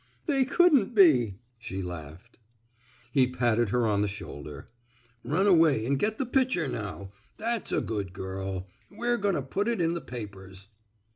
"They couldn't be," she laughed. He patted her on the shoulder. " Run away an' get the pi'ture, now. That's a good girl. We're goin' to put it in the papers."